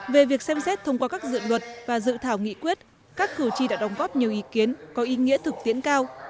về việc xem xét thông qua các dự luật và dự thảo nghị quyết các cử tri đã đóng góp nhiều ý kiến có ý nghĩa thực tiễn cao